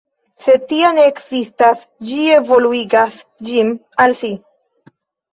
Se tia ne ekzistas, ĝi evoluigas ĝin al si.